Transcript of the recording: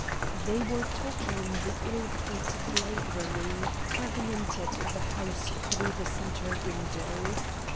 They were talking in the ill fated library, having entered the house through the centre window.